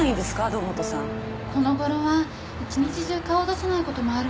堂本さんこのごろは一日中顔を出さないこともあるんですよ